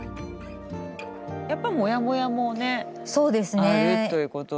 やっぱもやもやもねあるということで。